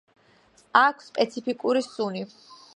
აქვს სპეციფიკური სუნი.